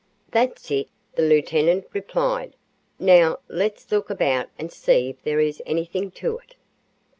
"That's it," the lieutenant replied. "Now, let's look about and see if there is anything to it."